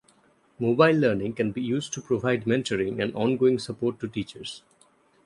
Mobile learning can be used to provide mentoring and ongoing support to teachers.